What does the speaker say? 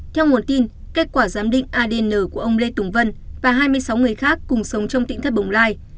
theo nguồn tin kết quả giám định adn của ông lê tùng vân và hai mươi sáu người khác cùng sống trong tỉnh thất bồng lai